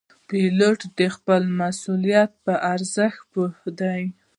پیلوټ د خپل مسؤلیت په ارزښت پوه دی.